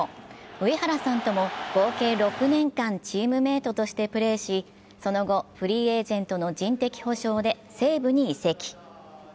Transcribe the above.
上原さんとも合計６年間チームメートとしてプレーし、その後、フリーエージェントの人的補償で西武に移籍。